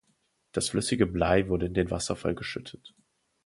Das flüssige Blei wurde in den Wasserfall geschüttet.